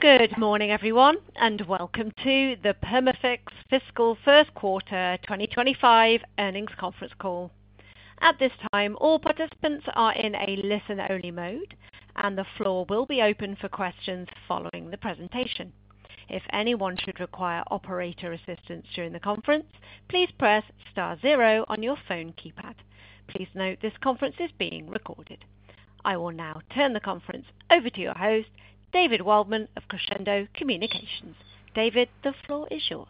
Good morning, everyone, and welcome to the Perma-Fix Fiscal First Quarter 2025 Earnings Conference Call. At this time, all participants are in a listen-only mode, and the floor will be open for questions following the presentation. If anyone should require operator assistance during the conference, please press star zero on your phone keypad. Please note this conference is being recorded. I will now turn the conference over to your host, David Waldman of Crescendo Communications. David, the floor is yours.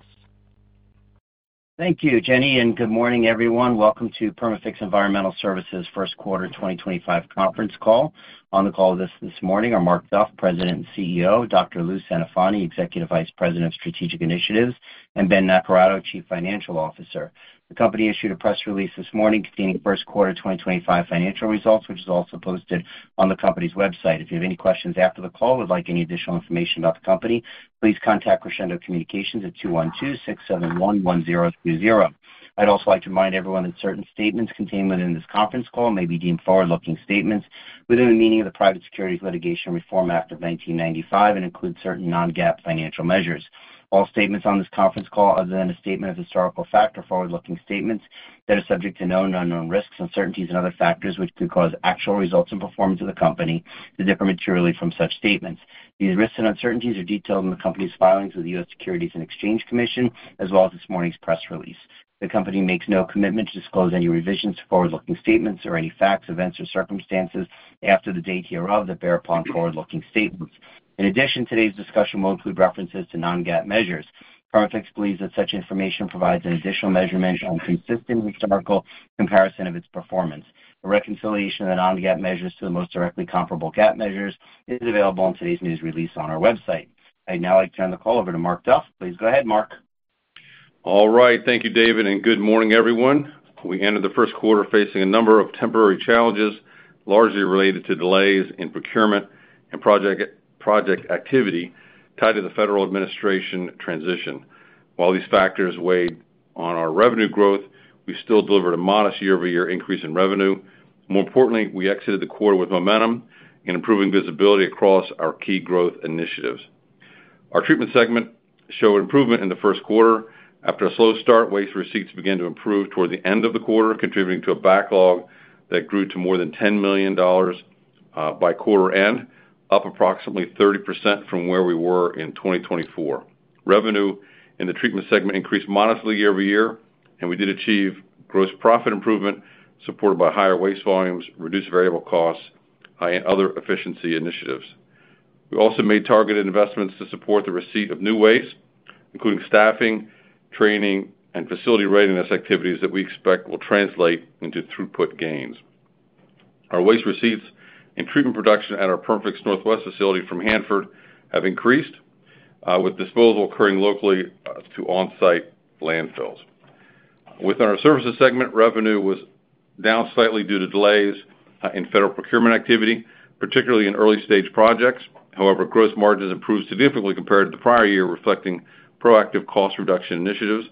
Thank you, Jenny, and good morning, everyone. Welcome to Perma-Fix Environmental Services First Quarter 2025 Conference Call. On the call this morning are Mark Duff, President and CEO, Dr. Louis Centofanti, Executive Vice President of Strategic Initiatives, and Ben Naccarato, Chief Financial Officer. The company issued a press release this morning containing First Quarter 2025 financial results, which is also posted on the company's website. If you have any questions after the call or would like any additional information about the company, please contact Crescendo Communications at 212-671-1020. I'd also like to remind everyone that certain statements contained within this conference call may be deemed forward-looking statements within the meaning of the Private Securities Litigation Reform Act of 1995 and include certain non-GAAP financial measures. All statements on this conference call, other than a statement of historical fact, are forward-looking statements that are subject to known and unknown risks, uncertainties, and other factors which could cause actual results and performance of the company to differ materially from such statements. These risks and uncertainties are detailed in the company's filings with the U.S. Securities and Exchange Commission, as well as this morning's press release. The company makes no commitment to disclose any revisions to forward-looking statements or any facts, events, or circumstances after the date hereof that bear upon forward-looking statements. In addition, today's discussion will include references to non-GAAP measures. Perma-Fix believes that such information provides an additional measurement and consistent historical comparison of its performance. A reconciliation of the non-GAAP measures to the most directly comparable GAAP measures is available on today's news release on our website. I'd now like to turn the call over to Mark Duff. Please go ahead, Mark. All right. Thank you, David, and good morning, everyone. We entered the first quarter facing a number of temporary challenges, largely related to delays in procurement and project activity tied to the federal administration transition. While these factors weighed on our revenue growth, we still delivered a modest year-over-year increase in revenue. More importantly, we exited the quarter with momentum and improving visibility across our key growth initiatives. Our treatment segment showed improvement in the first quarter. After a slow start, waste receipts began to improve toward the end of the quarter, contributing to a backlog that grew to more than $10 million by quarter end, up approximately 30% from where we were in 2024. Revenue in the treatment segment increased modestly year-over-year, and we did achieve gross profit improvement supported by higher waste volumes, reduced variable costs, and other efficiency initiatives. We also made targeted investments to support the receipt of new waste, including staffing, training, and facility readiness activities that we expect will translate into throughput gains. Our waste receipts in treatment production at our Perma-Fix Northwest facility from Hanford have increased, with disposal occurring locally to on-site landfills. Within our services segment, revenue was down slightly due to delays in federal procurement activity, particularly in early-stage projects. However, gross margins improved significantly compared to the prior year, reflecting proactive cost reduction initiatives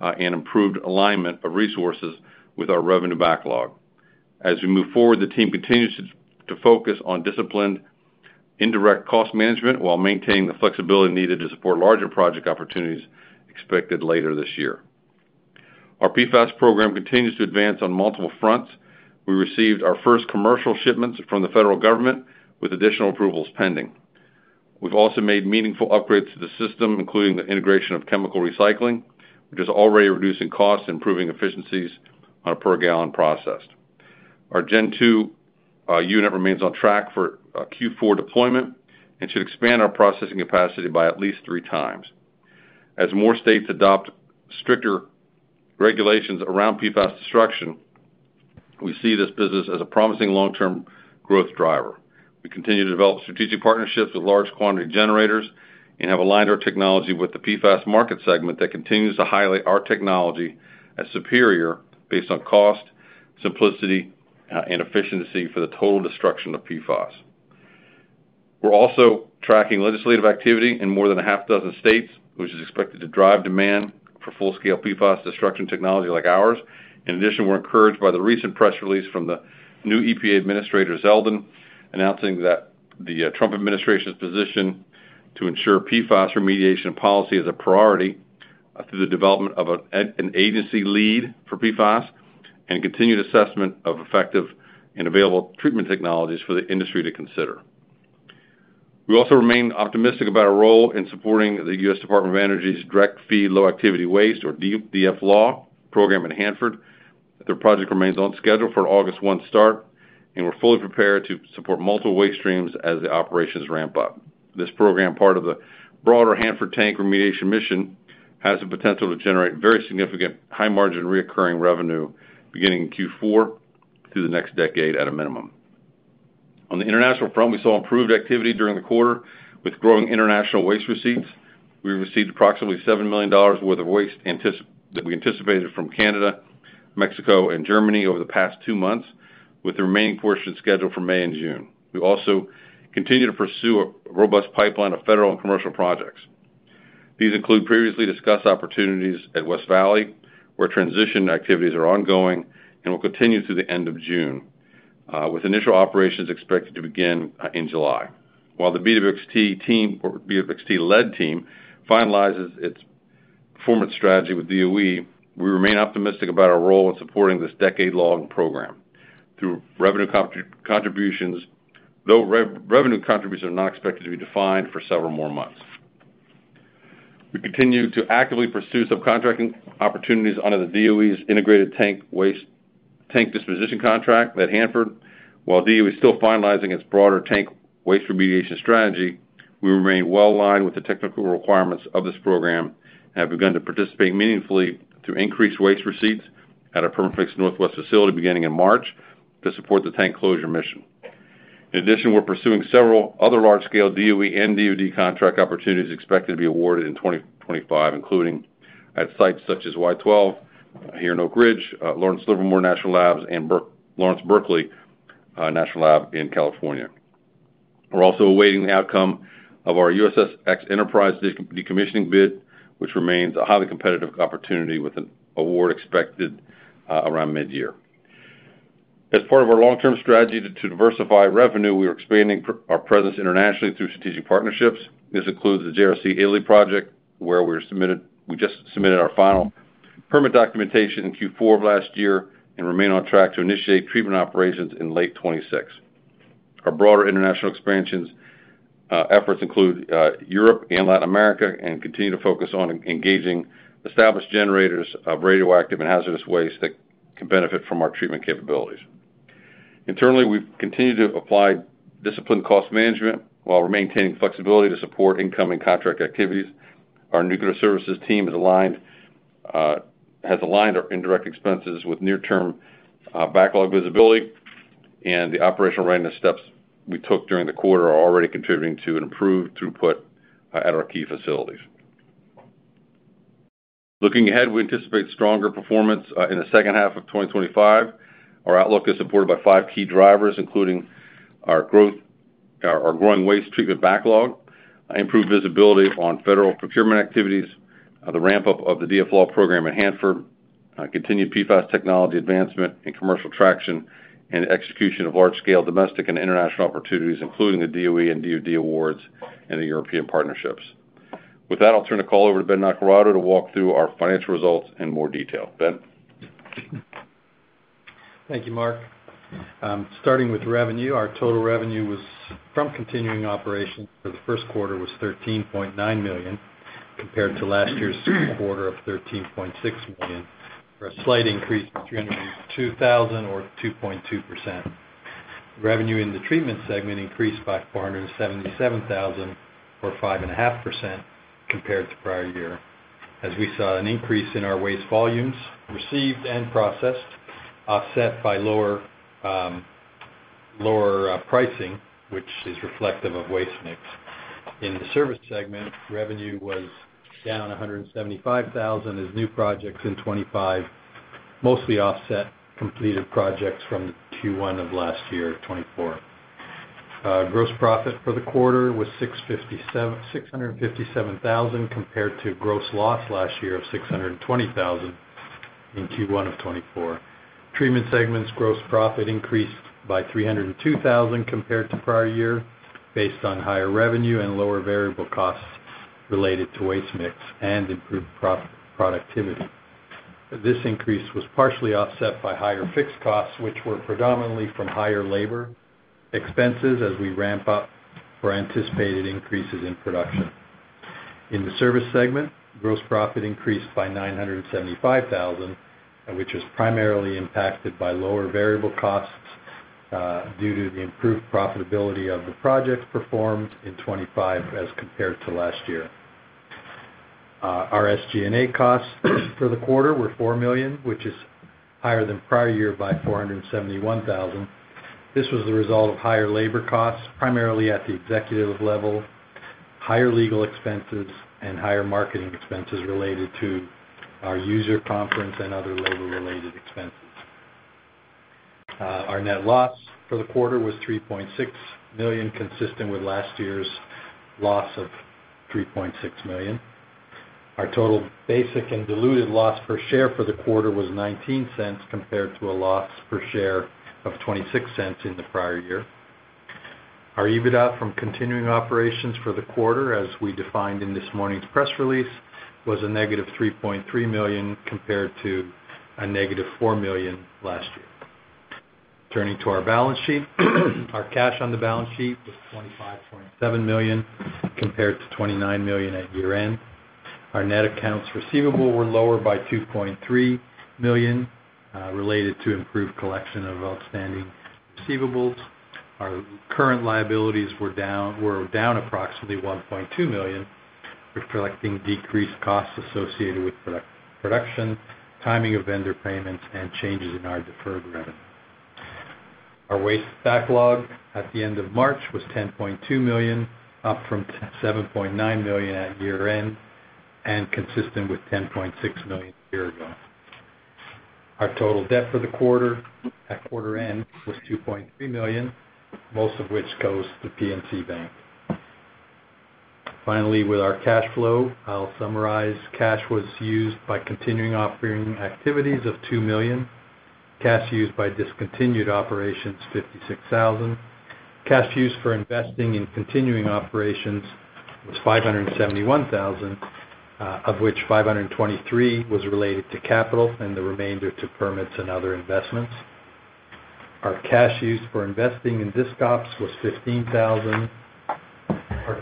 and improved alignment of resources with our revenue backlog. As we move forward, the team continues to focus on disciplined indirect cost management while maintaining the flexibility needed to support larger project opportunities expected later this year. Our PFAS program continues to advance on multiple fronts. We received our first commercial shipments from the federal government, with additional approvals pending. We've also made meaningful upgrades to the system, including the integration of chemical recycling, which is already reducing costs and improving efficiencies on a per-gallon process. Our Gen Two unit remains on track for Q4 deployment and should expand our processing capacity by at least three times. As more states adopt stricter regulations around PFAS destruction, we see this business as a promising long-term growth driver. We continue to develop strategic partnerships with large quantity generators and have aligned our technology with the PFAS market segment that continues to highlight our technology as superior based on cost, simplicity, and efficiency for the total destruction of PFAS. We're also tracking legislative activity in more than a half dozen states, which is expected to drive demand for full-scale PFAS destruction technology like ours. In addition, we're encouraged by the recent press release from the new EPA Administrator, Lee Zeldin, announcing that the Trump Administration's position to ensure PFAS remediation policy is a priority through the development of an agency lead for PFAS and continued assessment of effective and available treatment technologies for the industry to consider. We also remain optimistic about our role in supporting the U.S. Department of Energy's Direct Feed Low Activity Waste, or DFLAW, program in Hanford. The project remains on schedule for August 1 start, and we're fully prepared to support multiple waste streams as the operations ramp up. This program, part of the broader Hanford Tank Remediation Mission, has the potential to generate very significant high-margin recurring revenue beginning in Q4 through the next decade at a minimum. On the international front, we saw improved activity during the quarter with growing international waste receipts. We received approximately $7 million worth of waste that we anticipated from Canada, Mexico, and Germany over the past two months, with the remaining portion scheduled for May and June. We also continue to pursue a robust pipeline of federal and commercial projects. These include previously discussed opportunities at West Valley, where transition activities are ongoing and will continue through the end of June, with initial operations expected to begin in July. While the BWXT team finalizes its performance strategy with the DOE, we remain optimistic about our role in supporting this decade-long program through revenue contributions, though revenue contributions are not expected to be defined for several more months. We continue to actively pursue subcontracting opportunities under the DOE's Integrated Tank Waste Disposition Contract at Hanford. While DOE is still finalizing its broader tank waste remediation strategy, we remain well aligned with the technical requirements of this program and have begun to participate meaningfully through increased waste receipts at our Perma-Fix Northwest facility beginning in March to support the tank closure mission. In addition, we're pursuing several other large-scale DOE and DOD contract opportunities expected to be awarded in 2025, including at sites such as Y-12 here in Oak Ridge, Lawrence Livermore National Labs, and Lawrence Berkeley National Lab in California. We're also awaiting the outcome of our USSX Enterprise decommissioning bid, which remains a highly competitive opportunity with an award expected around mid-year. As part of our long-term strategy to diversify revenue, we are expanding our presence internationally through strategic partnerships. This includes the JRC Italy project, where we just submitted our final permit documentation in Q4 of last year and remain on track to initiate treatment operations in late 2026. Our broader international expansion efforts include Europe and Latin America and continue to focus on engaging established generators of radioactive and hazardous waste that can benefit from our treatment capabilities. Internally, we've continued to apply disciplined cost management while maintaining flexibility to support incoming contract activities. Our nuclear services team has aligned our indirect expenses with near-term backlog visibility, and the operational readiness steps we took during the quarter are already contributing to an improved throughput at our key facilities. Looking ahead, we anticipate stronger performance in the second half of 2025. Our outlook is supported by five key drivers, including our growing waste treatment backlog, improved visibility on federal procurement activities, the ramp-up of the DFLAW program in Hanford, continued PFAS technology advancement, and commercial traction and execution of large-scale domestic and international opportunities, including the DOE and DOD awards and the European partnerships. With that, I'll turn the call over to Ben Naccarato to walk through our financial results in more detail. Ben. Thank you, Mark. Starting with revenue, our total revenue from continuing operations for the first quarter was $13.9 million compared to last year's quarter of $13.6 million, for a slight increase of $302,000 or 2.2%. Revenue in the treatment segment increased by $477,000 or 5.5% compared to prior year, as we saw an increase in our waste volumes received and processed, offset by lower pricing, which is reflective of waste mix. In the service segment, revenue was down $175,000 as new projects in 2025, mostly offset completed projects from Q1 of last year, 2024. Gross profit for the quarter was $657,000 compared to gross loss last year of $620,000 in Q1 of 2024. Treatment segment's gross profit increased by $302,000 compared to prior year, based on higher revenue and lower variable costs related to waste mix and improved productivity. This increase was partially offset by higher fixed costs, which were predominantly from higher labor expenses as we ramp up for anticipated increases in production. In the service segment, gross profit increased by $975,000, which was primarily impacted by lower variable costs due to the improved profitability of the projects performed in 2025 as compared to last year. Our SG&A costs for the quarter were $4 million, which is higher than prior year by $471,000. This was the result of higher labor costs, primarily at the executive level, higher legal expenses, and higher marketing expenses related to our user conference and other labor-related expenses. Our net loss for the quarter was $3.6 million, consistent with last year's loss of $3.6 million. Our total basic and diluted loss per share for the quarter was $0.19 compared to a loss per share of $0.26 in the prior year. Our EBITDA from continuing operations for the quarter, as we defined in this morning's press release, was a negative $3.3 million compared to a negative $4 million last year. Turning to our balance sheet, our cash on the balance sheet was $25.7 million compared to $29 million at year-end. Our net accounts receivable were lower by $2.3 million related to improved collection of outstanding receivables. Our current liabilities were down approximately $1.2 million, reflecting decreased costs associated with production, timing of vendor payments, and changes in our deferred revenue. Our waste backlog at the end of March was $10.2 million, up from $7.9 million at year-end and consistent with $10.6 million a year ago. Our total debt for the quarter at quarter-end was $2.3 million, most of which goes to PNC Bank. Finally, with our cash flow, I'll summarize. Cash was used by continuing operating activities of $2 million. Cash used by discontinued operations: $56,000. Cash used for investing in continuing operations was $571,000, of which $523,000 was related to capital and the remainder to permits and other investments. Our cash used for investing in disks was $15,000. Our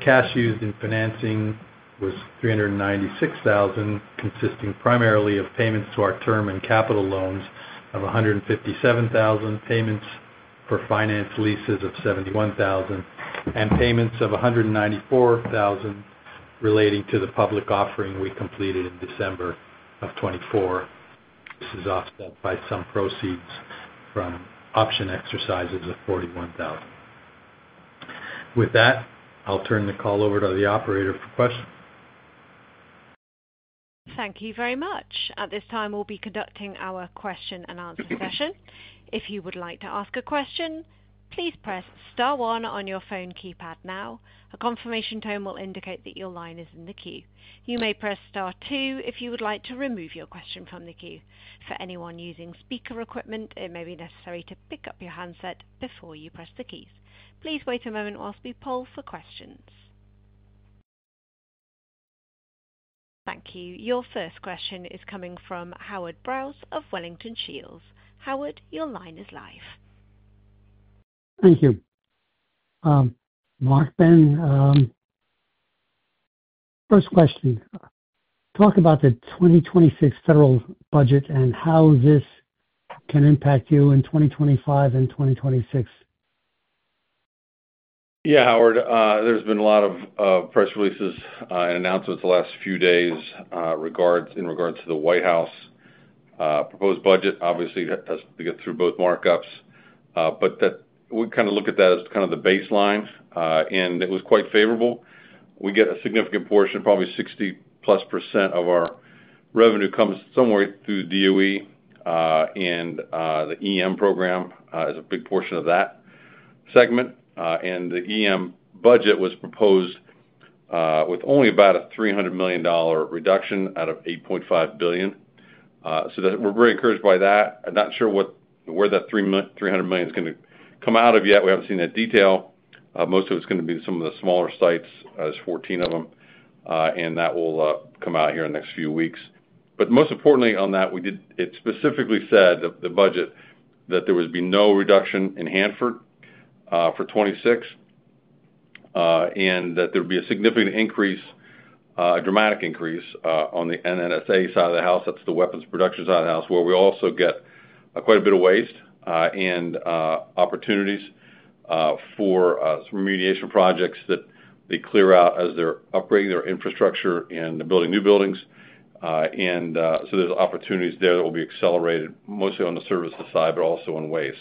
cash used in financing was $396,000, consisting primarily of payments to our term and capital loans of $157,000, payments for finance leases of $71,000, and payments of $194,000 relating to the public offering we completed in December of 2024. This is offset by some proceeds from option exercises of $41,000. With that, I'll turn the call over to the operator for questions. Thank you very much. At this time, we'll be conducting our question and answer session. If you would like to ask a question, please press Star 1 on your phone keypad now. A confirmation tone will indicate that your line is in the queue. You may press Star 2 if you would like to remove your question from the queue. For anyone using speaker equipment, it may be necessary to pick up your handset before you press the keys. Please wait a moment whilst we poll for questions. Thank you. Your first question is coming from Howard Brous of Wellington Shields. Howard, your line is live. Thank you. Mark, Ben, first question. Talk about the 2026 federal budget and how this can impact you in 2025 and 2026. Yeah, Howard. There's been a lot of press releases and announcements the last few days in regards to the White House. Proposed budget, obviously, has to get through both markups, but we kind of look at that as kind of the baseline, and it was quite favorable. We get a significant portion, probably 60+% of our revenue comes somewhere through DOE, and the EM program is a big portion of that segment. The EM budget was proposed with only about a $300 million reduction out of $8.5 billion. We are very encouraged by that. I'm not sure where that $300 million is going to come out of yet. We haven't seen that detail. Most of it's going to be some of the smaller sites. There are 14 of them, and that will come out here in the next few weeks. Most importantly on that, it specifically said in the budget that there would be no reduction in Hanford for 2026 and that there would be a significant increase, a dramatic increase on the NSA side of the house. That's the weapons production side of the house, where we also get quite a bit of waste and opportunities for remediation projects that they clear out as they're upgrading their infrastructure and building new buildings. There are opportunities there that will be accelerated, mostly on the services side, but also on waste.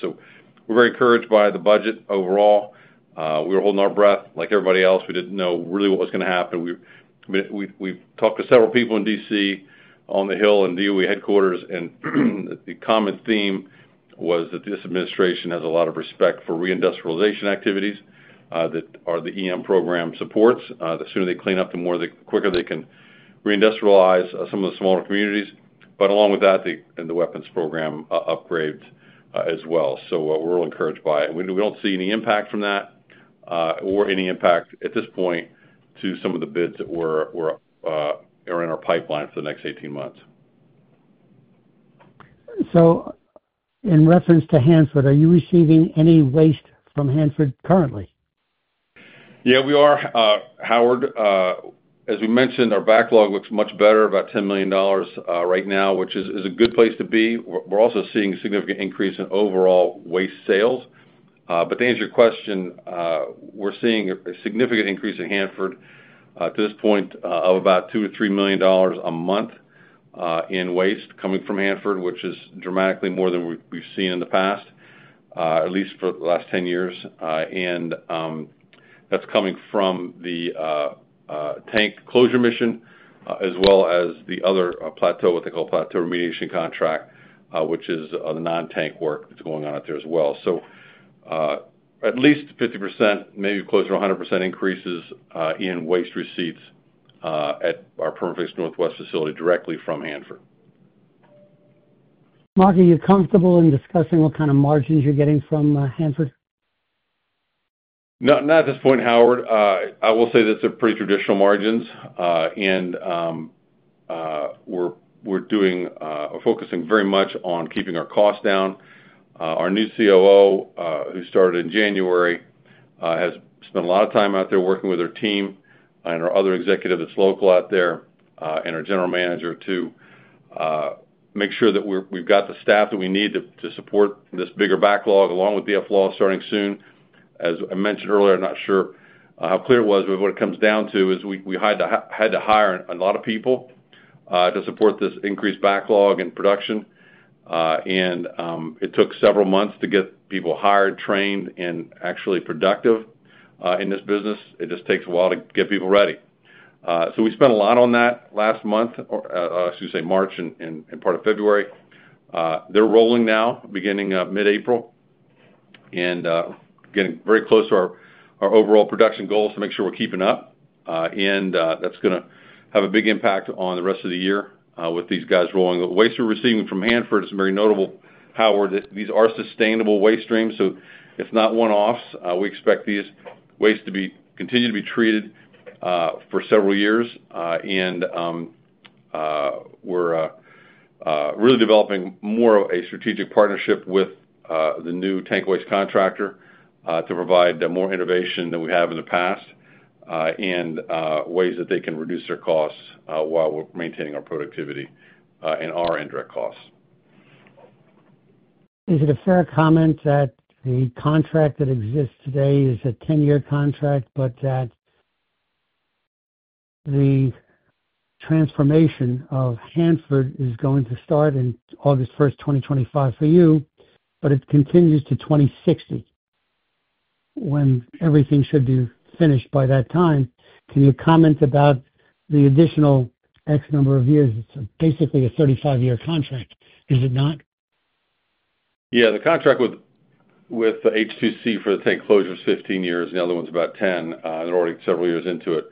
We are very encouraged by the budget overall. We were holding our breath like everybody else. We did not know really what was going to happen. We have talked to several people in D.C. on the Hill and DOE headquarters, and the common theme was that this administration has a lot of respect for reindustrialization activities that the EM program supports. The sooner they clean up, the quicker they can reindustrialize some of the smaller communities. Along with that, the weapons program upgrades as well. We are all encouraged by it. We do not see any impact from that or any impact at this point to some of the bids that are in our pipeline for the next 18 months. In reference to Hanford, are you receiving any waste from Hanford currently? Yeah, we are, Howard. As we mentioned, our backlog looks much better, about $10 million right now, which is a good place to be. We're also seeing a significant increase in overall waste sales. To answer your question, we're seeing a significant increase in Hanford to this point of about $2 to $3 million a month in waste coming from Hanford, which is dramatically more than we've seen in the past, at least for the last 10 years. That's coming from the tank closure mission as well as the other plateau, what they call plateau remediation contract, which is the non-tank work that's going on out there as well. At least 50%, maybe closer to 100% increases in waste receipts at our Perma-Fix Northwest facility directly from Hanford. Mark, are you comfortable in discussing what kind of margins you're getting from Hanford? Not at this point, Howard. I will say that's pretty traditional margins, and we're focusing very much on keeping our costs down. Our new COO, who started in January, has spent a lot of time out there working with her team and her other executives that's local out there and her general manager to make sure that we've got the staff that we need to support this bigger backlog along with DFLAW starting soon. As I mentioned earlier, I'm not sure how clear it was, but what it comes down to is we had to hire a lot of people to support this increased backlog in production. It took several months to get people hired, trained, and actually productive in this business. It just takes a while to get people ready. We spent a lot on that last month, excuse me, March, and part of February. They're rolling now, beginning mid-April, and getting very close to our overall production goals to make sure we're keeping up. That's going to have a big impact on the rest of the year with these guys rolling. The waste we're receiving from Hanford is very notable, Howard. These are sustainable waste streams, so it's not one-offs. We expect these wastes to continue to be treated for several years. We're really developing more of a strategic partnership with the new tank waste contractor to provide more innovation than we have in the past and ways that they can reduce their costs while we're maintaining our productivity and our indirect costs. Is it a fair comment that the contract that exists today is a 10-year contract, but that the transformation of Hanford is going to start in August 1, 2025 for you, but it continues to 2060 when everything should be finished by that time? Can you comment about the additional X number of years? It's basically a 35-year contract. Is it not? Yeah. The contract with H2C for the tank closure is 15 years. The other one's about 10. They're already several years into it.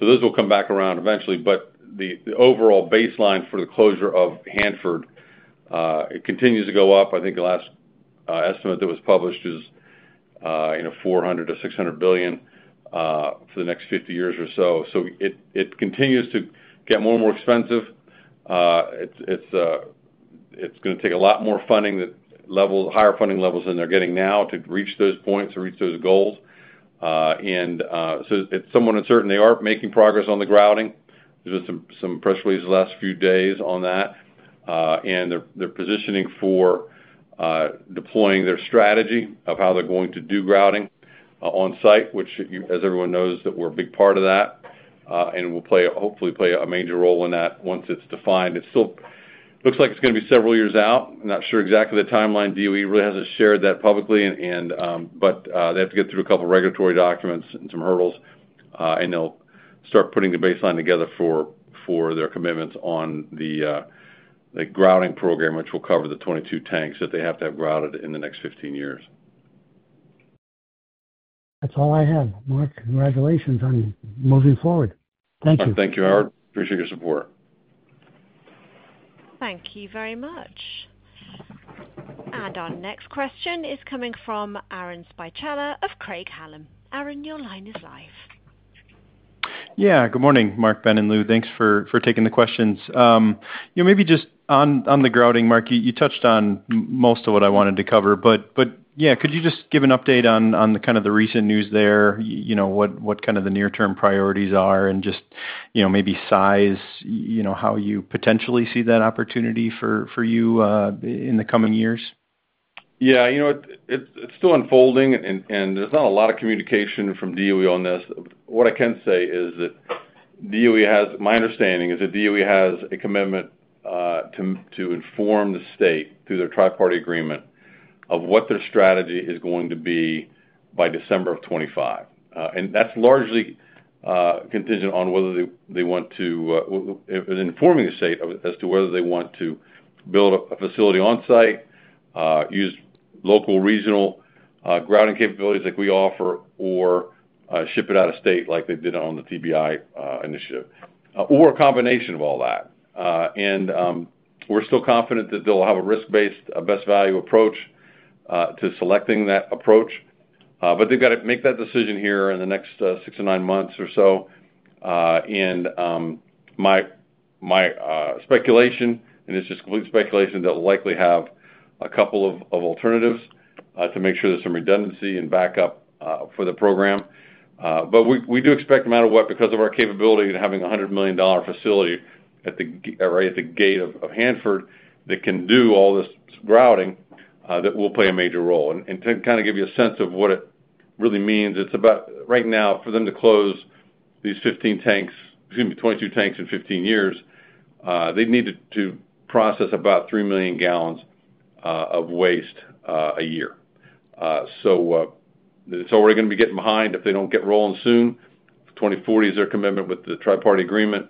Those will come back around eventually. The overall baseline for the closure of Hanford, it continues to go up. I think the last estimate that was published was $400 billion to $600 billion for the next 50 years or so. It continues to get more and more expensive. It's going to take a lot more funding level, higher funding levels than they're getting now to reach those points or reach those goals. It's somewhat uncertain. They are making progress on the grouting. There have been some press releases the last few days on that. They're positioning for deploying their strategy of how they're going to do grouting on site, which, as everyone knows, we're a big part of that. We'll hopefully play a major role in that once it's defined. It still looks like it's going to be several years out. I'm not sure exactly the timeline. DOE really hasn't shared that publicly, but they have to get through a couple of regulatory documents and some hurdles, and they'll start putting the baseline together for their commitments on the grouting program, which will cover the 22 tanks that they have to have grouted in the next 15 years. That's all I have. Mark, congratulations on moving forward. Thank you. Thank you, Howard. Appreciate your support. Thank you very much. Our next question is coming from Aaron Spicciotto of Craig-Hallum. Aaron, your line is live. Yeah. Good morning, Mark, Ben, and Lou. Thanks for taking the questions. Maybe just on the grouting, Mark, you touched on most of what I wanted to cover. Could you just give an update on kind of the recent news there, what kind of the near-term priorities are, and just maybe size, how you potentially see that opportunity for you in the coming years? Yeah. It's still unfolding, and there's not a lot of communication from DOE on this. What I can say is that DOE has, my understanding is that DOE has a commitment to inform the state through their Triparty Agreement of what their strategy is going to be by December of 2025. That's largely contingent on whether they want to inform the state as to whether they want to build a facility on site, use local regional grouting capabilities like we offer, or ship it out of state like they did on the TBI initiative, or a combination of all that. We're still confident that they'll have a risk-based, best value approach to selecting that approach. They've got to make that decision here in the next six to nine months or so. My speculation, and it's just complete speculation, is they'll likely have a couple of alternatives to make sure there's some redundancy and backup for the program. We do expect, no matter what, because of our capability and having a $100 million facility right at the gate of Hanford that can do all this grouting, that we'll play a major role. To kind of give you a sense of what it really means, right now, for them to close these 15 tanks, excuse me, 22 tanks in 15 years, they need to process about 3 million gallons of waste a year. It's already going to be getting behind if they don't get rolling soon. 2040 is their commitment with the Triparty Agreement.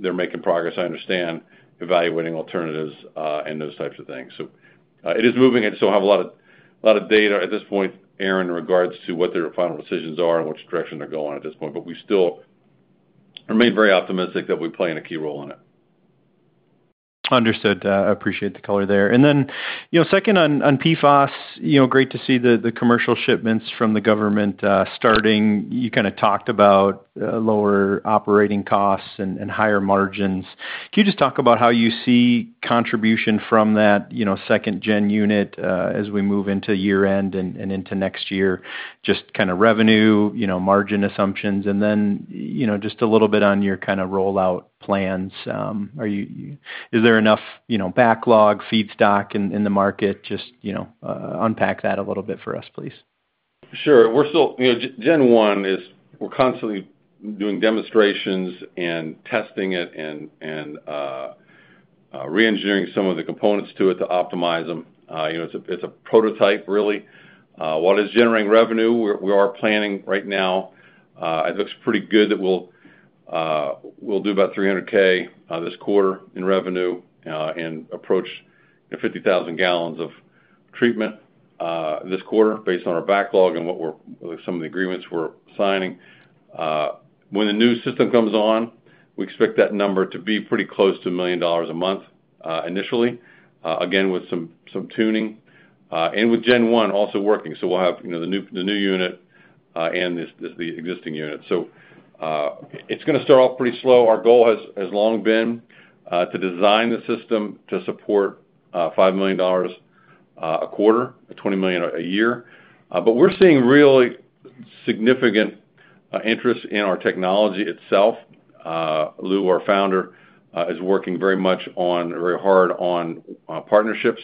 They're making progress, I understand, evaluating alternatives and those types of things. It is moving. I still have a lot of data at this point, Aaron, in regards to what their final decisions are and which direction they're going at this point. We still remain very optimistic that we play in a key role in it. Understood. Appreciate the color there. Second, on PFAS, great to see the commercial shipments from the government starting. You kind of talked about lower operating costs and higher margins. Can you just talk about how you see contribution from that second-gen unit as we move into year-end and into next year, just kind of revenue, margin assumptions, and then just a little bit on your kind of rollout plans? Is there enough backlog, feedstock in the market? Just unpack that a little bit for us, please. Sure. We're still Gen 1. We're constantly doing demonstrations and testing it and reengineering some of the components to it to optimize them. It's a prototype, really. While it's generating revenue, we are planning right now. It looks pretty good that we'll do about $300,000 this quarter in revenue and approach 50,000 gallons of treatment this quarter based on our backlog and some of the agreements we're signing. When the new system comes on, we expect that number to be pretty close to $1,000,000 a month initially, again, with some tuning and with Gen 1 also working. We'll have the new unit and the existing unit. It's going to start off pretty slow. Our goal has long been to design the system to support $5 million a quarter, $20 million a year. We're seeing really significant interest in our technology itself. Lou, our founder, is working very hard on partnerships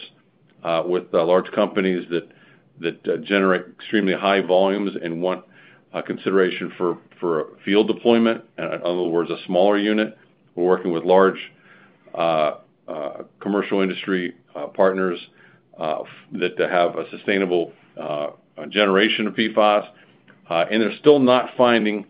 with large companies that generate extremely high volumes and want consideration for field deployment. In other words, a smaller unit. We're working with large commercial industry partners that have a sustainable generation of PFAS. They're still not finding,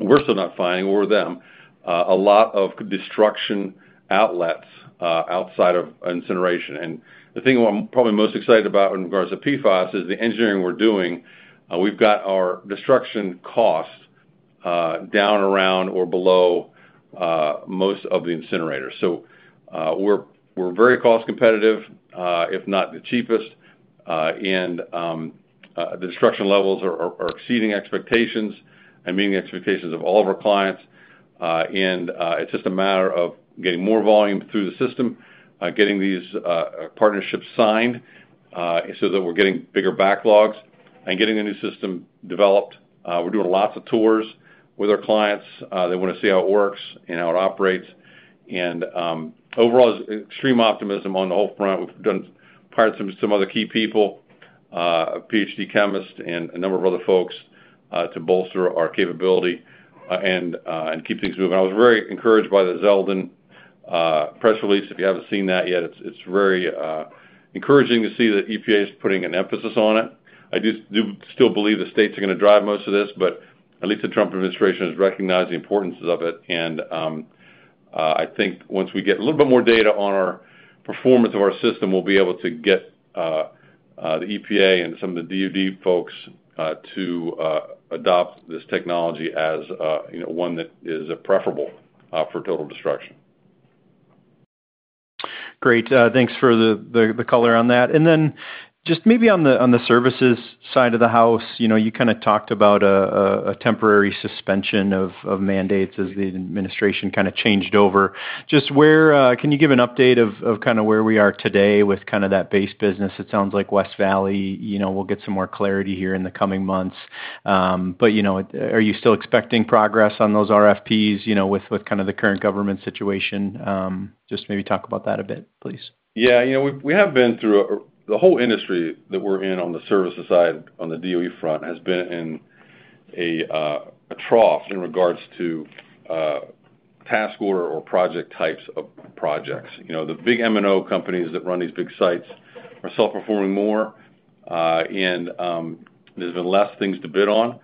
we're still not finding, or them, a lot of destruction outlets outside of incineration. The thing I'm probably most excited about in regards to PFAS is the engineering we're doing. We've got our destruction cost down around or below most of the incinerators. We're very cost competitive, if not the cheapest. The destruction levels are exceeding expectations and meeting expectations of all of our clients. It's just a matter of getting more volume through the system, getting these partnerships signed so that we're getting bigger backlogs and getting a new system developed. We're doing lots of tours with our clients. They want to see how it works and how it operates. Overall, extreme optimism on the whole front. We've done, prior to some other key people, a PhD chemist and a number of other folks to bolster our capability and keep things moving. I was very encouraged by the Zeldin press release. If you haven't seen that yet, it's very encouraging to see that EPA is putting an emphasis on it. I do still believe the states are going to drive most of this, but at least the Trump administration has recognized the importance of it. I think once we get a little bit more data on our performance of our system, we'll be able to get the EPA and some of the DOD folks to adopt this technology as one that is preferable for total destruction. Great. Thanks for the color on that. Maybe on the services side of the house, you kind of talked about a temporary suspension of mandates as the administration kind of changed over. Just can you give an update of kind of where we are today with kind of that base business? It sounds like West Valley will get some more clarity here in the coming months. Are you still expecting progress on those RFPs with kind of the current government situation? Maybe talk about that a bit, please. Yeah. We have been through the whole industry that we're in on the services side on the DOE front has been in a trough in regards to task order or project types of projects. The big M&O companies that run these big sites are self-performing more, and there's been less things to bid on.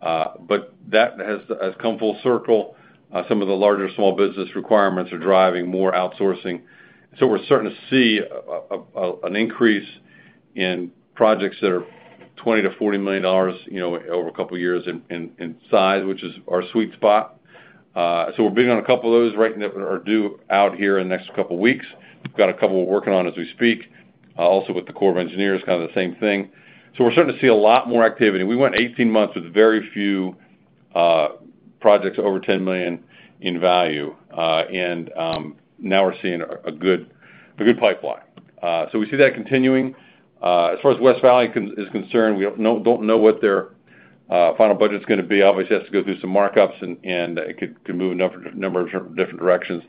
That has come full circle. Some of the larger small business requirements are driving more outsourcing. We're starting to see an increase in projects that are $20 million to $40 million over a couple of years in size, which is our sweet spot. We're bidding on a couple of those right now or due out here in the next couple of weeks. We've got a couple we're working on as we speak, also with the Corps of Engineers, kind of the same thing. We're starting to see a lot more activity. We went 18 months with very few projects over $10 million in value. Now we're seeing a good pipeline. We see that continuing. As far as West Valley is concerned, we do not know what their final budget is going to be. Obviously, it has to go through some markups, and it could move in a number of different directions.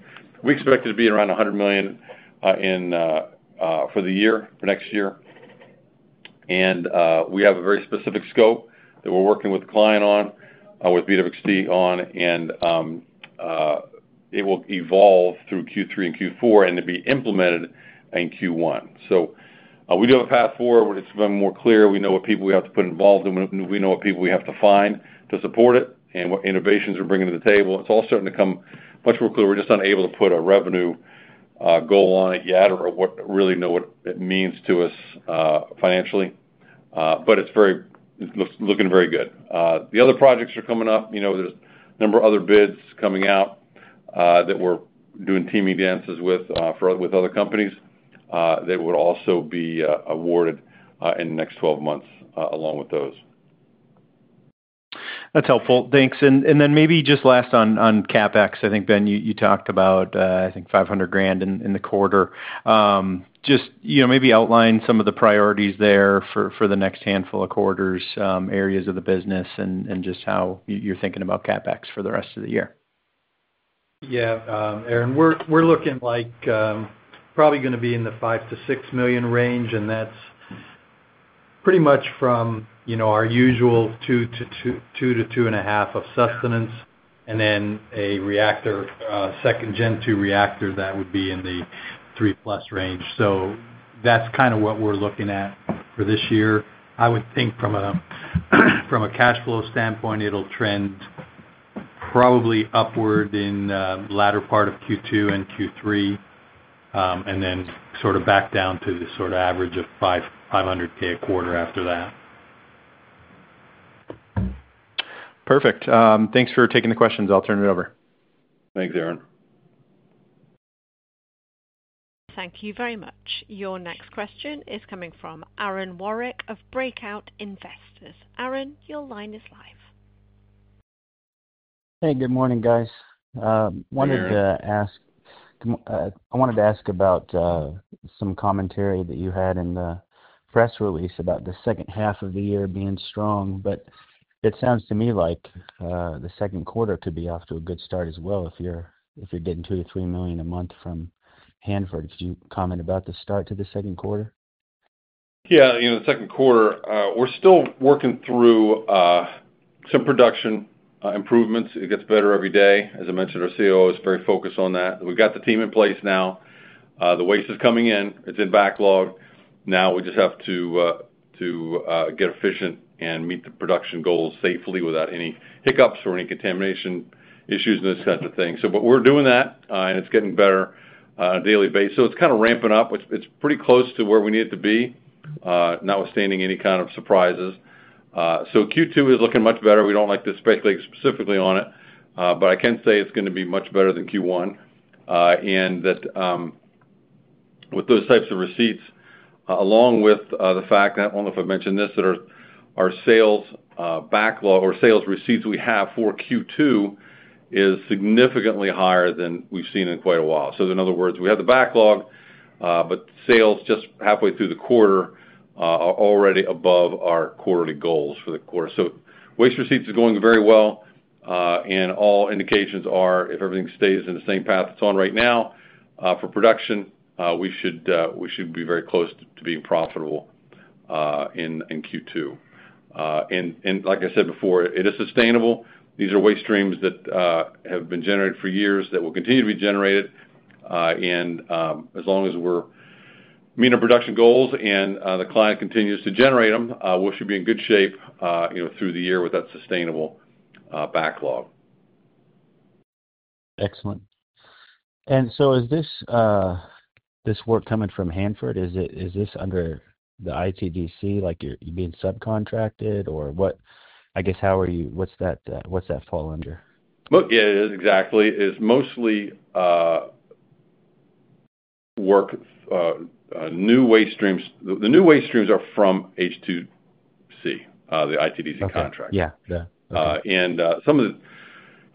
We expect it to be around $100 million for the year, for next year. We have a very specific scope that we're working with the client on, with BWXT on, and it will evolve through Q3 and Q4 and be implemented in Q1. We do have a path forward. It has become more clear. We know what people we have to put involved in. We know what people we have to find to support it and what innovations we're bringing to the table. It's all starting to come much more clear. We're just unable to put a revenue goal on it yet or really know what it means to us financially. It is looking very good. The other projects are coming up. There are a number of other bids coming out that we're doing teaming dances with other companies that would also be awarded in the next 12 months along with those. That's helpful. Thanks. Maybe just last on CapEx. I think, Ben, you talked about, I think, $500,000 in the quarter. Just maybe outline some of the priorities there for the next handful of quarters, areas of the business, and just how you're thinking about CapEx for the rest of the year. Yeah. Aaron, we're looking like probably going to be in the $5 million to $6 million range, and that's pretty much from our usual $2 million to $2.5 million of sustenance and then a second-gen two reactor that would be in the $3 million plus range. So that's kind of what we're looking at for this year. I would think from a cash flow standpoint, it'll trend probably upward in the latter part of Q2 and Q3 and then sort of back down to the sort of average of $500,000 a quarter after that. Perfect. Thanks for taking the questions. I'll turn it over. Thanks, Aaron. Thank you very much. Your next question is coming from Aaron Warwick of Breakout Investors. Aaron, your line is live. Hey, good morning, guys. Wanted to ask about some commentary that you had in the press release about the second half of the year being strong. It sounds to me like the second quarter could be off to a good start as well if you're getting $2 million to $3 million a month from Hanford. Could you comment about the start to the second quarter? Yeah. The second quarter, we're still working through some production improvements. It gets better every day. As I mentioned, our COO is very focused on that. We've got the team in place now. The waste is coming in. It's in backlog. Now we just have to get efficient and meet the production goals safely without any hiccups or any contamination issues and those kinds of things. We're doing that, and it's getting better on a daily basis. It's kind of ramping up. It's pretty close to where we need it to be, notwithstanding any kind of surprises. Q2 is looking much better. We don't like to speculate specifically on it, but I can say it's going to be much better than Q1. With those types of receipts, along with the fact that, I don't know if I've mentioned this, our sales backlog or sales receipts we have for Q2 is significantly higher than we've seen in quite a while. In other words, we have the backlog, but sales just halfway through the quarter are already above our quarterly goals for the quarter. Waste receipts are going very well, and all indications are, if everything stays in the same path it's on right now for production, we should be very close to being profitable in Q2. Like I said before, it is sustainable. These are waste streams that have been generated for years that will continue to be generated. As long as we're meeting our production goals and the client continues to generate them, we should be in good shape through the year with that sustainable backlog. Excellent. Is this work coming from Hanford? Is this under the ITDC? You're being subcontracted or what? I guess how are you—what's that fall under? Yeah, exactly. It's mostly work. The new waste streams are from H2C, the ITDC contract. And some of the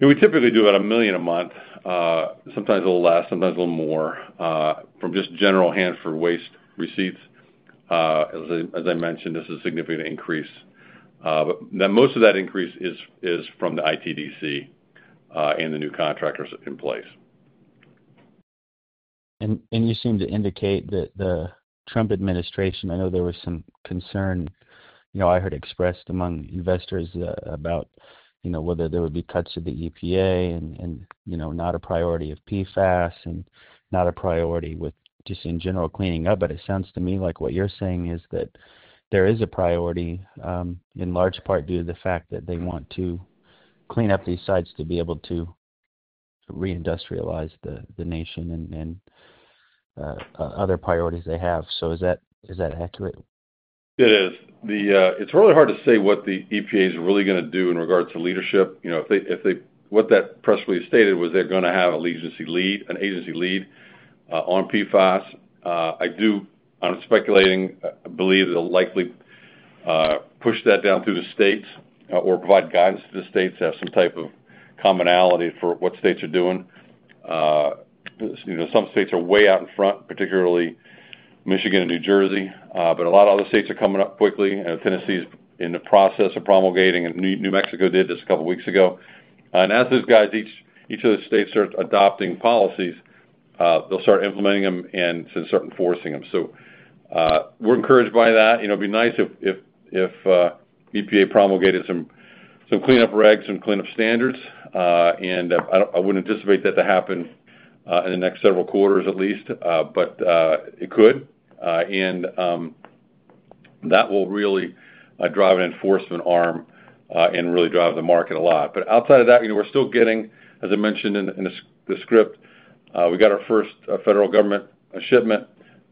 we typically do about $1 million a month. Sometimes a little less, sometimes a little more from just general Hanford waste receipts. As I mentioned, this is a significant increase. Most of that increase is from the ITDC and the new contractors in place. You seem to indicate that the Trump administration, I know there was some concern I heard expressed among investors about whether there would be cuts to the EPA and not a priority of PFAS and not a priority with just in general cleaning up. It sounds to me like what you're saying is that there is a priority in large part due to the fact that they want to clean up these sites to be able to reindustrialize the nation and other priorities they have. Is that accurate? It is. It's really hard to say what the EPA is really going to do in regards to leadership. What that press release stated was they're going to have an agency lead on PFAS. I do, I'm speculating, believe they'll likely push that down through the states or provide guidance to the states, have some type of commonality for what states are doing. Some states are way out in front, particularly Michigan and New Jersey. A lot of other states are coming up quickly, and Tennessee is in the process of promulgating, and New Mexico did this a couple of weeks ago. As these guys, each of the states start adopting policies, they'll start implementing them and since start enforcing them. We're encouraged by that. It'd be nice if EPA promulgated some cleanup regs, some cleanup standards. I would not anticipate that to happen in the next several quarters at least, but it could. That will really drive an enforcement arm and really drive the market a lot. Outside of that, we are still getting, as I mentioned in the script, we got our first federal government shipment,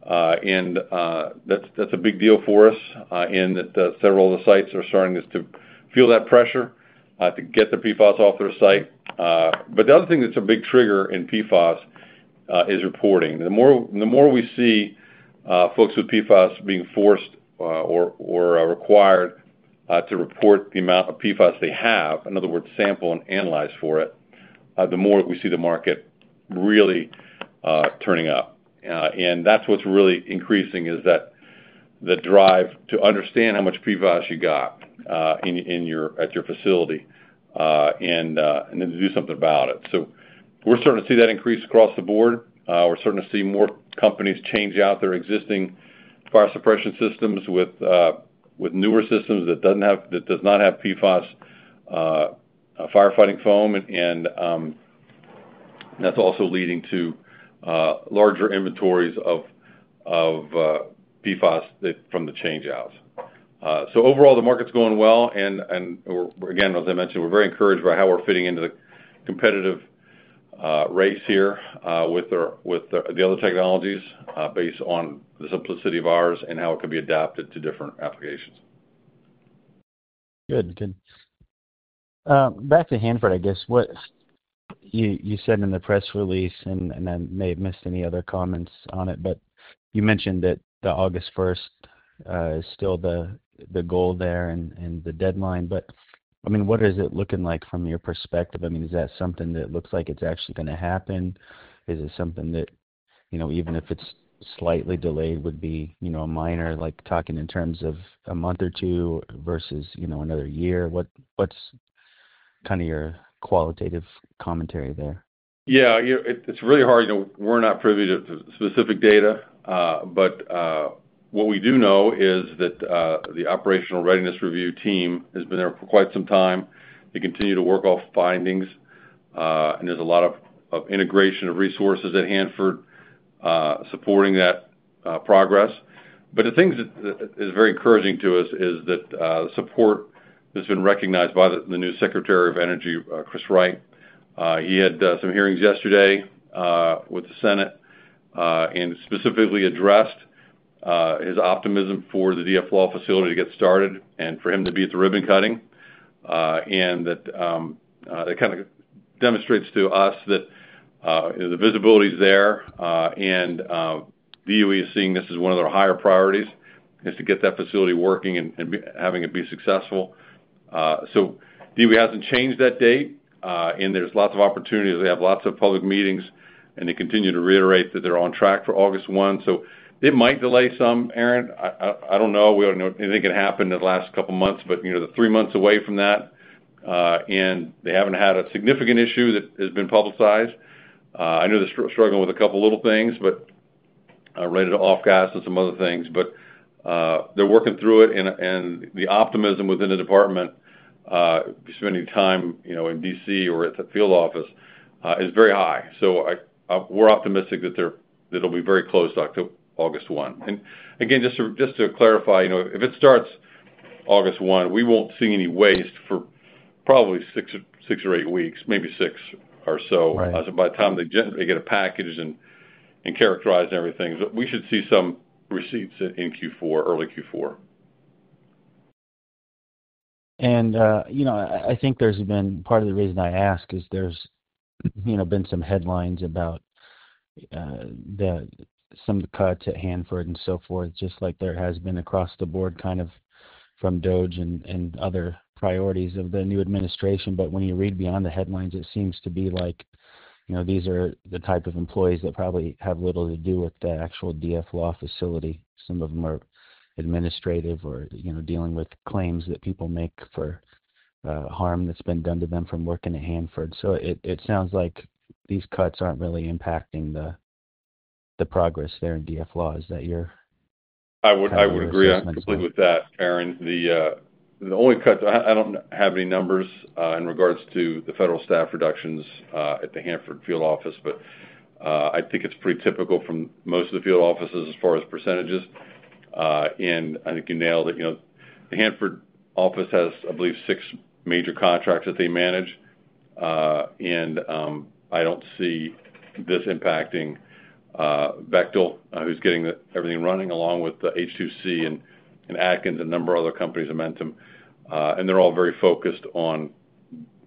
and that is a big deal for us. Several of the sites are starting to feel that pressure to get the PFAS off their site. The other thing that is a big trigger in PFAS is reporting. The more we see folks with PFAS being forced or required to report the amount of PFAS they have, in other words, sample and analyze for it, the more we see the market really turning up. That is what is really increasing, the drive to understand how much PFAS you have at your facility and then to do something about it. We are starting to see that increase across the board. We are starting to see more companies change out their existing fire suppression systems with newer systems that do not have PFAS firefighting foam. That is also leading to larger inventories of PFAS from the changeouts. Overall, the market is going well. Again, as I mentioned, we are very encouraged by how we are fitting into the competitive race here with the other technologies based on the simplicity of ours and how it could be adapted to different applications. Good. Good. Back to Hanford, I guess. You said in the press release, and I may have missed any other comments on it, but you mentioned that the August 1st is still the goal there and the deadline. I mean, what is it looking like from your perspective? I mean, is that something that looks like it's actually going to happen? Is it something that even if it's slightly delayed would be a minor, like talking in terms of a month or two versus another year? What's kind of your qualitative commentary there? Yeah. It's really hard. We're not privy to specific data. What we do know is that the operational readiness review team has been there for quite some time. They continue to work off findings. There's a lot of integration of resources at Hanford supporting that progress. The thing that is very encouraging to us is that support has been recognized by the new Secretary of Energy, Chris Wright. He had some hearings yesterday with the Senate and specifically addressed his optimism for the DFLAW facility to get started and for him to be at the ribbon cutting. That kind of demonstrates to us that the visibility is there. DOE is seeing this as one of their higher priorities is to get that facility working and having it be successful. DOE hasn't changed that date. There's lots of opportunities. They have lots of public meetings. They continue to reiterate that they're on track for August 1. It might delay some, Aaron. I don't know. We don't know, anything can happen in the last couple of months, but they're three months away from that. They haven't had a significant issue that has been publicized. I know they're struggling with a couple of little things related to off-gas and some other things. They're working through it. The optimism within the department, spending time in D.C. or at the field office, is very high. We're optimistic that it'll be very close to August 1. Again, just to clarify, if it starts August 1, we won't see any waste for probably six or eight weeks, maybe six or so. By the time they get a package and characterize and everything, we should see some receipts in Q4, early Q4. I think there's been part of the reason I ask is there's been some headlines about some of the cuts at Hanford and so forth, just like there has been across the board kind of from DOE and other priorities of the new administration. When you read beyond the headlines, it seems to be like these are the type of employees that probably have little to do with the actual DFLAW facility. Some of them are administrative or dealing with claims that people make for harm that's been done to them from working at Hanford. It sounds like these cuts aren't really impacting the progress there in DFLAW. Is that your assessment? I would agree completely with that, Aaron. The only cuts, I do not have any numbers in regards to the federal staff reductions at the Hanford field office, but I think it is pretty typical from most of the field offices as far as percentages. I think you nailed it. The Hanford office has, I believe, six major contracts that they manage. I do not see this impacting Bechtel, who is getting everything running, along with H2C and Atkins and a number of other companies' momentum. They are all very focused on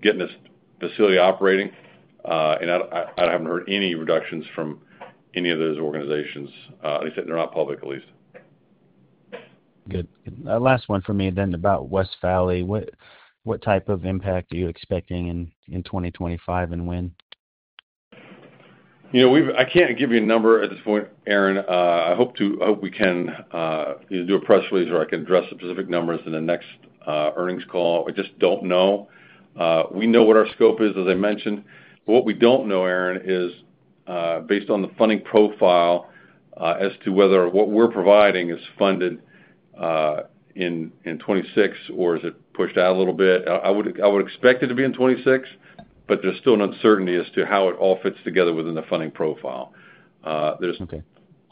getting this facility operating. I have not heard any reductions from any of those organizations. They said they are not public, at least. Good. Last one for me then about West Valley. What type of impact are you expecting in 2025 and when? I can't give you a number at this point, Aaron. I hope we can do a press release where I can address the specific numbers in the next earnings call. I just don't know. We know what our scope is, as I mentioned. What we don't know, Aaron, is based on the funding profile as to whether what we're providing is funded in 2026 or is it pushed out a little bit. I would expect it to be in 2026, but there's still an uncertainty as to how it all fits together within the funding profile. There are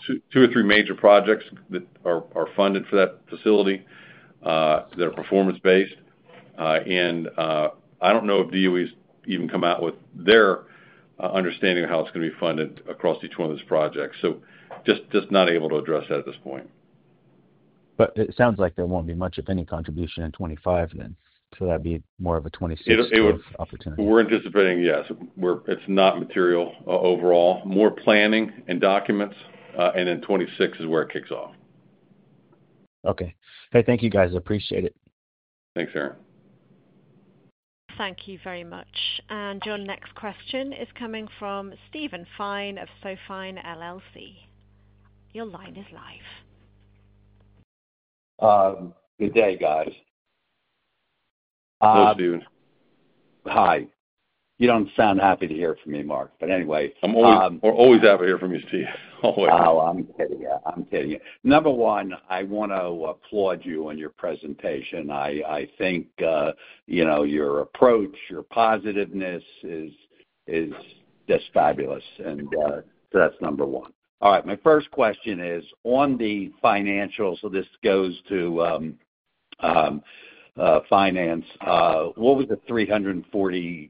two or three major projects that are funded for that facility that are performance-based. I don't know if DOE's even come out with their understanding of how it's going to be funded across each one of those projects. Just not able to address that at this point. It sounds like there won't be much of any contribution in 2025 then. That'd be more of a 2026 opportunity. We're anticipating, yes. It's not material overall. More planning and documents. Then 2026 is where it kicks off. Okay. Hey, thank you guys. Appreciate it. Thanks, Aaron. Thank you very much. Your next question is coming from Steven Fine of SoFine LLC. Your line is live. Good day, guys. Hey, Steven. Hi. You don't sound happy to hear from me, Mark. Anyway. I'm always happy to hear from you, Steve. Always. Oh, I'm kidding. I'm kidding. Number one, I want to applaud you on your presentation. I think your approach, your positiveness is just fabulous. That's number one. My first question is on the financials. This goes to finance. What was the $340,000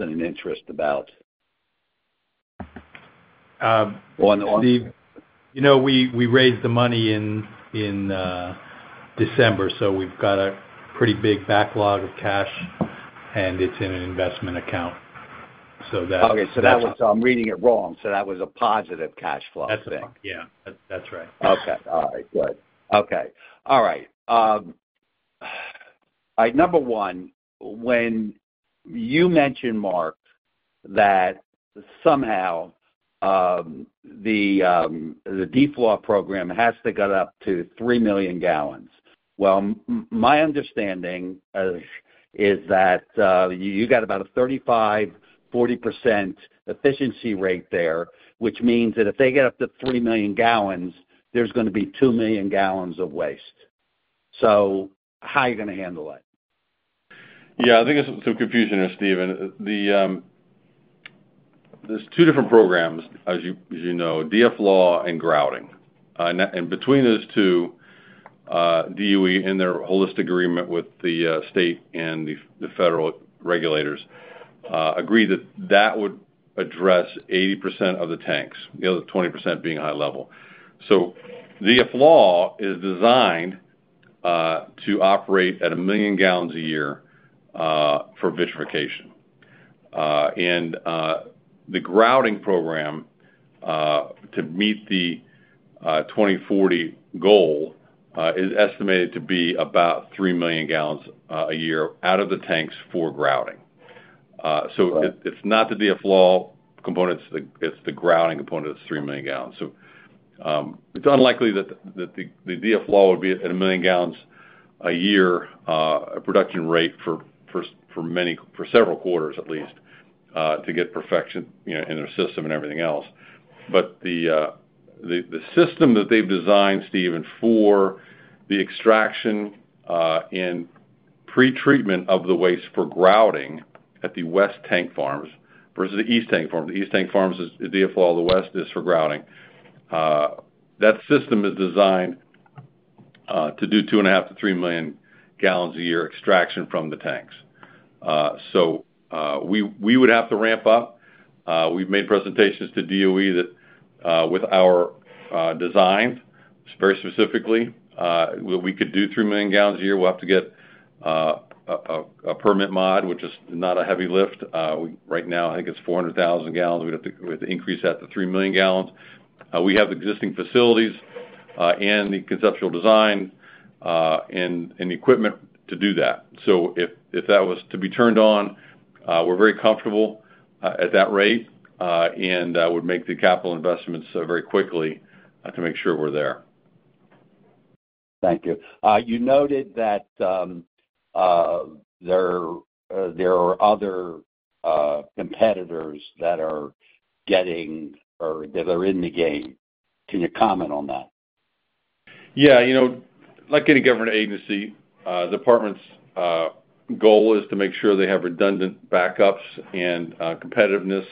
in interest about? Steve, we raised the money in December, so we've got a pretty big backlog of cash, and it's in an investment account. Okay. So I'm reading it wrong. So that was a positive cash flow thing. That's right. Yeah, that's right. Okay. All right. Good. Okay. All right. Number one, when you mentioned, Mark, that somehow the DFLAW program has to get up to 3 million gallons. My understanding is that you got about a 35 to 40% efficiency rate there, which means that if they get up to 3 million gallons, there's going to be 2 million gallons of waste. How are you going to handle it? Yeah. I think it's a confusion here, Steven. There's two different programs, as you know, DFLAW and Grouting. And between those two, DOE, in their holistic agreement with the state and the federal regulators, agreed that that would address 80% of the tanks, the other 20% being high level. So DFLAW is designed to operate at a million gallons a year for vitrification. And the Grouting program, to meet the 2040 goal, is estimated to be about 3 million gallons a year out of the tanks for grouting. It's not the DFLAW component. It's the Grouting component that's 3 million gallons. It's unlikely that the DFLAW would be at a million gallons a year production rate for several quarters, at least, to get perfection in their system and everything else. The system that they've designed, Steven, for the extraction and pretreatment of the waste for grouting at the West Tank Farms versus the East Tank Farms. The East Tank Farms is DFLAW. The West is for grouting. That system is designed to do 2.5 to 3 million gallons a year extraction from the tanks. We would have to ramp up. We've made presentations to DOE with our design very specifically. We could do 3 million gallons a year. We'll have to get a permit mod, which is not a heavy lift. Right now, I think it's 400,000 gallons. We have to increase that to 3 million gallons. We have existing facilities and the conceptual design and the equipment to do that. If that was to be turned on, we're very comfortable at that rate and would make the capital investments very quickly to make sure we're there. Thank you. You noted that there are other competitors that are getting or that are in the game. Can you comment on that? Yeah. Like any government agency, the department's goal is to make sure they have redundant backups and competitiveness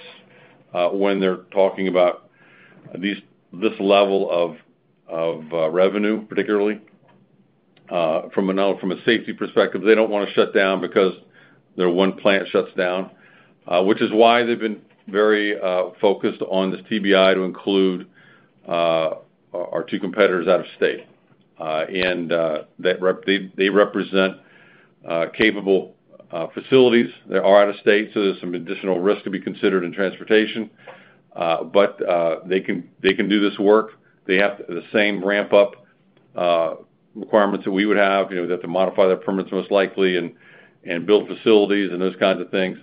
when they're talking about this level of revenue, particularly. From a safety perspective, they don't want to shut down because their one plant shuts down, which is why they've been very focused on this TBI to include our two competitors out of state. They represent capable facilities that are out of state. There's some additional risk to be considered in transportation. They can do this work. They have the same ramp-up requirements that we would have. They have to modify their permits most likely and build facilities and those kinds of things.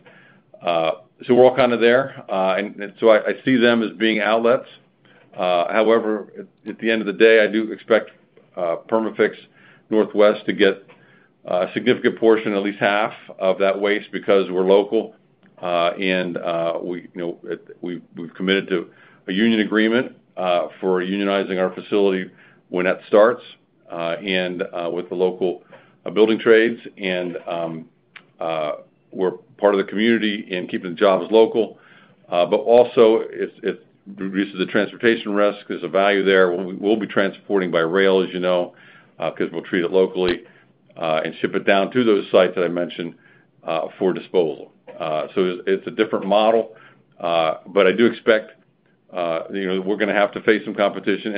We're all kind of there. I see them as being outlets. However, at the end of the day, I do expect Perma-Fix Northwest to get a significant portion, at least half of that waste, because we're local. And we've committed to a union agreement for unionizing our facility when that starts and with the local building trades. And we're part of the community in keeping the jobs local. It also reduces the transportation risk. There's a value there. We'll be transporting by rail, as you know, because we'll treat it locally and ship it down to those sites that I mentioned for disposal. It's a different model. I do expect we're going to have to face some competition.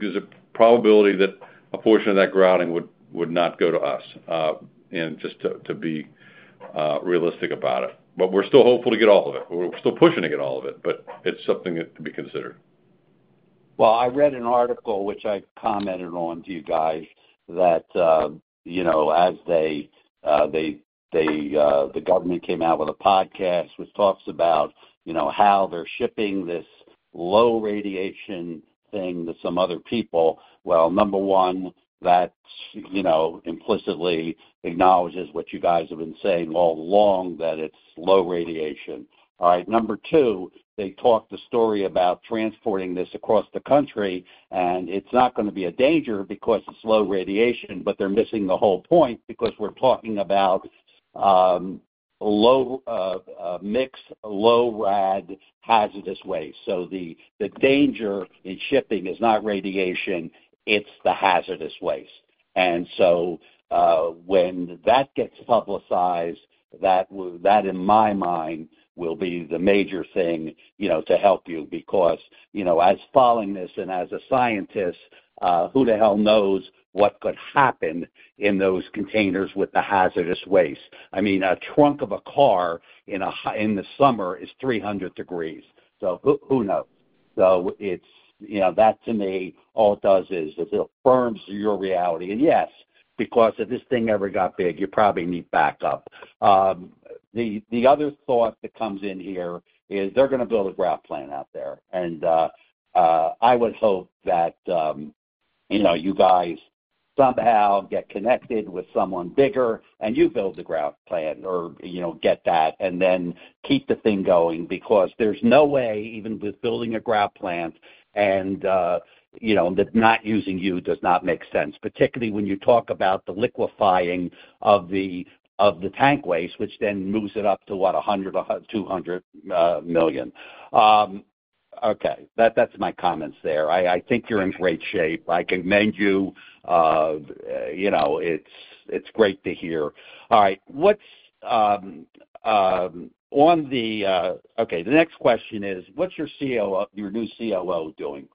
There's a probability that a portion of that grouting would not go to us, just to be realistic about it. We're still hopeful to get all of it. We're still pushing to get all of it, but it's something to be considered. I read an article, which I commented on to you guys, that as the government came out with a podcast which talks about how they're shipping this low radiation thing to some other people. Number one, that implicitly acknowledges what you guys have been saying all along, that it's low radiation. All right. Number two, they talk the story about transporting this across the country. It's not going to be a danger because it's low radiation, but they're missing the whole point because we're talking about mixed low-rad hazardous waste. The danger in shipping is not radiation. It's the hazardous waste. When that gets publicized, that, in my mind, will be the major thing to help you because as following this and as a scientist, who the hell knows what could happen in those containers with the hazardous waste? I mean, a trunk of a car in the summer is 300 degrees. Who knows? That, to me, all it does is it affirms your reality. Yes, because if this thing ever got big, you probably need backup. The other thought that comes in here is they're going to build a grout plant out there. I would hope that you guys somehow get connected with someone bigger and you build the grout plant or get that and then keep the thing going because there's no way, even with building a grout plant, and not using you does not make sense, particularly when you talk about the liquefying of the tank waste, which then moves it up to, what, $100 million to $200 million. Okay. That's my comments there. I think you're in great shape. I commend you. It's great to hear. All right. Okay. The next question is, what's your new COO doing?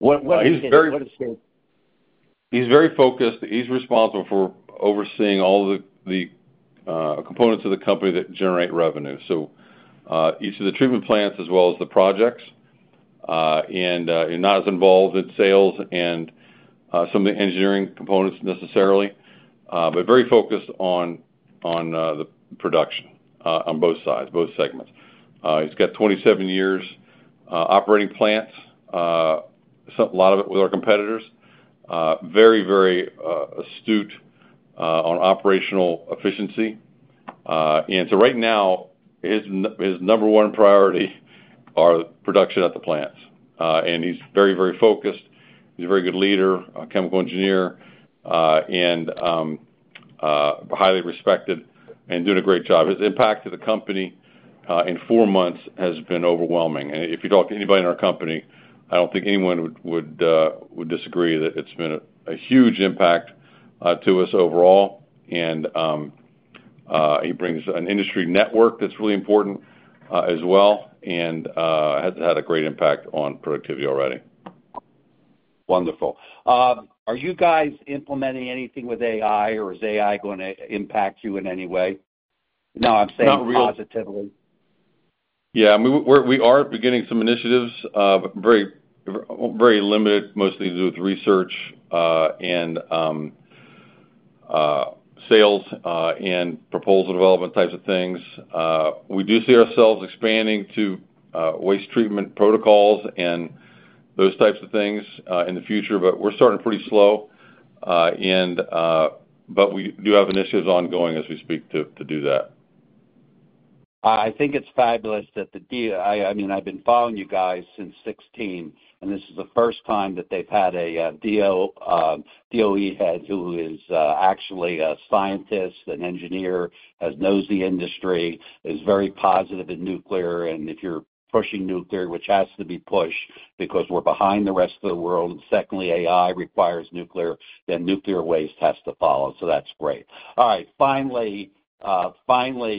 What is his role? He's very focused. He's responsible for overseeing all the components of the company that generate revenue. He's in the treatment plants as well as the projects and not as involved in sales and some of the engineering components necessarily, but very focused on the production on both sides, both segments. He's got 27 years operating plants, a lot of it with our competitors. Very, very astute on operational efficiency. Right now, his number one priority is production at the plants. He's very, very focused. He's a very good leader, chemical engineer, and highly respected and doing a great job. His impact to the company in four months has been overwhelming. If you talk to anybody in our company, I don't think anyone would disagree that it's been a huge impact to us overall. He brings an industry network that's really important as well and has had a great impact on productivity already. Wonderful. Are you guys implementing anything with AI, or is AI going to impact you in any way? No, I'm saying positively. Not really. Yeah. We are beginning some initiatives, very limited, mostly to do with research and sales and proposal development types of things. We do see ourselves expanding to waste treatment protocols and those types of things in the future. We're starting pretty slow. We do have initiatives ongoing as we speak to do that. I think it's fabulous that the—I mean, I've been following you guys since 2016, and this is the first time that they've had a DOE head who is actually a scientist, an engineer, knows the industry, is very positive in nuclear. If you're pushing nuclear, which has to be pushed because we're behind the rest of the world, and secondly, AI requires nuclear, then nuclear waste has to follow. That is great. All right. Finally,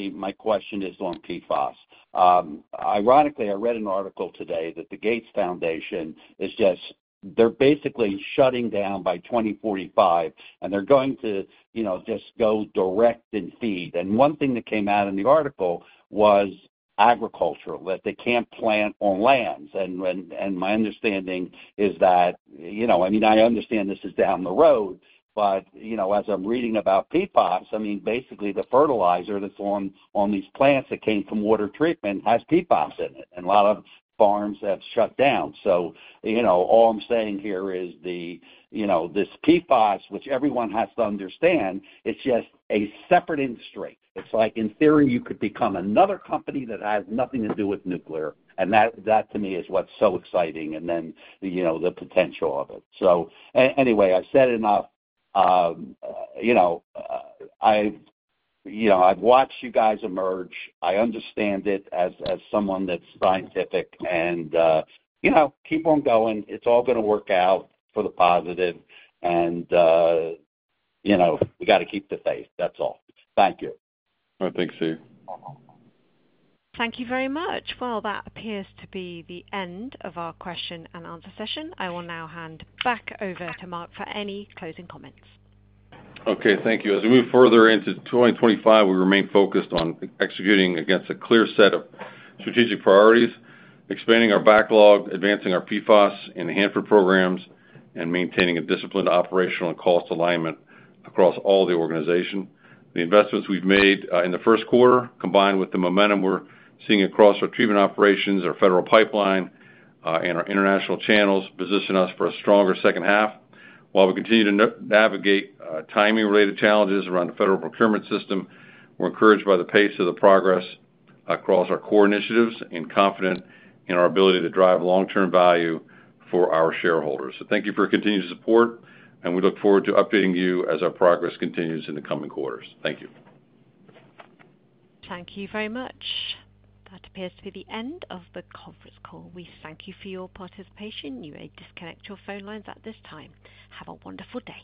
my question is on PFAS. Ironically, I read an article today that the Gates Foundation is just—they're basically shutting down by 2045, and they're going to just go direct and feed. One thing that came out in the article was agricultural, that they can't plant on lands. My understanding is that—I mean, I understand this is down the road, but as I'm reading about PFAS, I mean, basically, the fertilizer that's on these plants that came from water treatment has PFAS in it. A lot of farms have shut down. All I'm saying here is this PFAS, which everyone has to understand, it's just a separate industry. It's like, in theory, you could become another company that has nothing to do with nuclear. That, to me, is what's so exciting and then the potential of it. Anyway, I've said enough. I've watched you guys emerge. I understand it as someone that's scientific and keep on going. It's all going to work out for the positive. We got to keep the faith. That's all. Thank you. All right. Thanks, Steve. Thank you very much. That appears to be the end of our question and answer session. I will now hand back over to Mark for any closing comments. Okay. Thank you. As we move further into 2025, we remain focused on executing against a clear set of strategic priorities, expanding our backlog, advancing our PFAS and Hanford programs, and maintaining a disciplined operational and cost alignment across all the organization. The investments we've made in the first quarter, combined with the momentum we're seeing across our treatment operations, our federal pipeline, and our international channels, position us for a stronger second half. While we continue to navigate timing-related challenges around the federal procurement system, we're encouraged by the pace of the progress across our core initiatives and confident in our ability to drive long-term value for our shareholders. Thank you for your continued support, and we look forward to updating you as our progress continues in the coming quarters. Thank you. Thank you very much. That appears to be the end of the conference call. We thank you for your participation. You may disconnect your phone lines at this time. Have a wonderful day.